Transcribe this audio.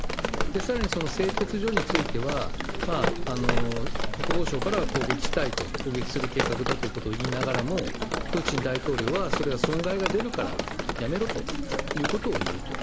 さらに、その製鉄所については、国防省からは攻撃したいと、攻撃する計画だということを言いながらも、プーチン大統領は、それは損害が出るからやめろということを言うと。